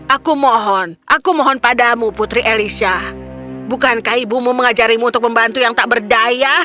aku mohon aku mohon padamu putri elisha bukankah ibumu mengajarimu untuk membantu yang tak berdaya